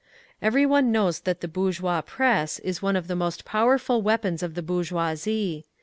Every one knows that the bourgeois press is one of the most powerful weapons of the bourgeoisie.